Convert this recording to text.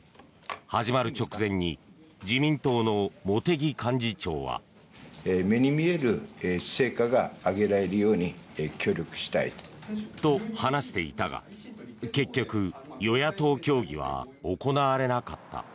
始まる直前に自民党の茂木幹事長は。と、話していたが結局、与野党協議は行われなかった。